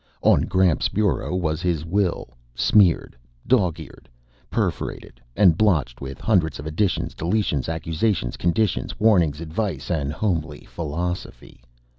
On Gramps' bureau was his will, smeared, dog eared, perforated and blotched with hundreds of additions, deletions, accusations, conditions, warnings, advice and homely philosophy.